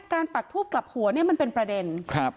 ปักทูบกลับหัวเนี่ยมันเป็นประเด็นครับ